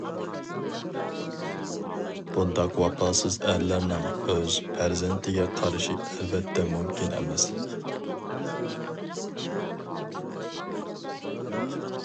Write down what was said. بۇنداق ۋاپاسىز ئەرلەرنىڭ ئۆز پەرزەنتىگە قارىشى ئەلۋەتتە مۇمكىن ئەمەس.